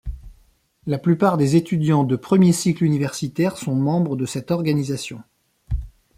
La plupart des étudiants de premier cycle universitaire sont membres de cette organisation.